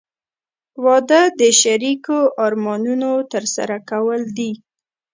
• واده د شریکو ارمانونو ترسره کول دي.